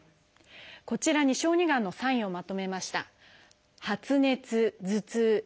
こちらに小児がんのサインをまとめました。